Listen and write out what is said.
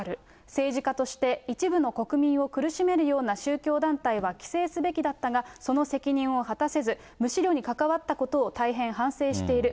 政治家として一部の国民を苦しめるような宗教団体は規制すべきだったが、その責任を果たせず、無思慮に関わったことを反省している。